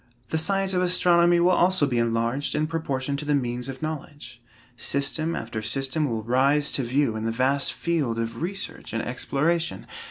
The science of astronomy will also be enlarged in proportion to the means of knowledge. System after system will rise to view in the vast field of research and exploration!